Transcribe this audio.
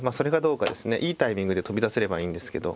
いいタイミングで飛び出せればいいんですけど。